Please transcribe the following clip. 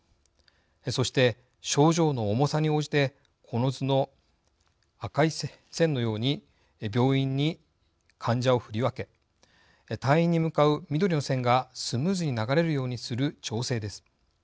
そして症状の重さに応じてこの図の赤い線のように病院に患者を振り分け退院に向かう緑の線がスムーズに流れるようにする調整です。